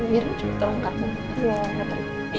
biarin tolong karpet